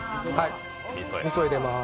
みそ入れます。